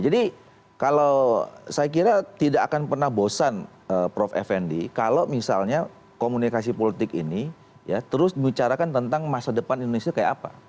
jadi kalau saya kira tidak akan pernah bosan prof effendi kalau misalnya komunikasi politik ini ya terus dibicarakan tentang masa depan indonesia ini kayak apa